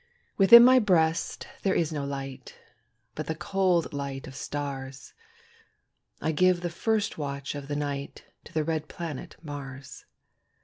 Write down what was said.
Within my breast there is no light, But the cold light of stars; I give the first watch of the night To the red planet Mars.